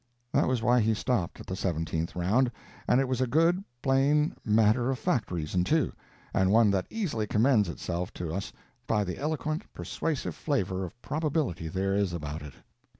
That was why he stopped at the seventeenth round, and it was a good, plain, matter of fact reason, too, and one that easily commends itself to us by the eloquent, persuasive flavor of probability there is about it.